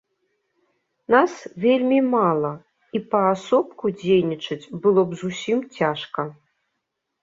Нас вельмі мала, і паасобку дзейнічаць было б зусім цяжка.